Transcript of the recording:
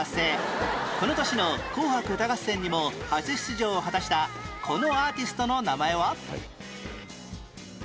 この年の『紅白歌合戦』にも初出場を果たしたこのアーティストの名前は？